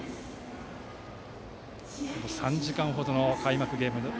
３時間程の開幕ゲーム。